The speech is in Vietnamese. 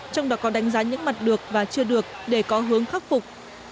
trong đó có đánh giá những mặt được và chưa được để có hướng khắc phục